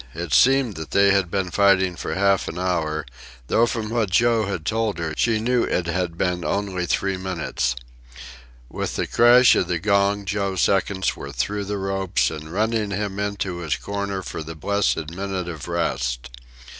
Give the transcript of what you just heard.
It seemed they had been fighting half an hour, though from what Joe had told her she knew it had been only three minutes. With the crash of the gong Joe's seconds were through the ropes and running him into his corner for the blessed minute of rest.